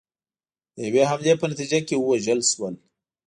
د یوې حملې په نتیجه کې ووژل شول.